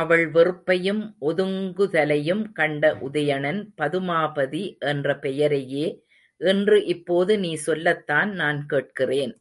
அவள் வெறுப்பையும் ஒதுங்குதலையும் கண்ட உதயணன் பதுமாபதி என்ற பெயரையே இன்று இப்போது நீ சொல்லத்தான் நான் கேட்கிறேன்.